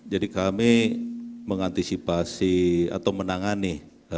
jadi kami mengantisipasi atau menangani